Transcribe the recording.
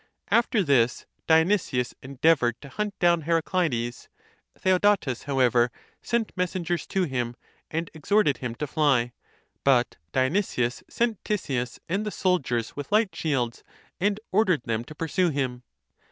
After this Dionysius endeavoured to hunt down Heracleides. Theodotes, however, sent messengers to him, and exhorted him to fly. But Dionysius sent Tisias and the soldiers with light shields, and ordered them to pursue him.